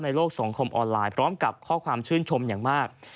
โลกสังคมออนไลน์พร้อมกับข้อความชื่นชมอย่างมาก